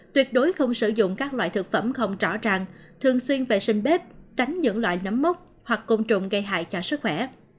tuyệt đối không sử dụng các loại thực phẩm không rõ ràng thường xuyên vệ sinh bếp tránh những loại nấm mốc hoặc côn trùng gây hại cho sức khỏe